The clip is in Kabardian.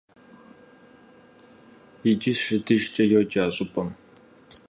Иджы «ШэдыжькӀэ» йоджэ а щӏыпӏэм.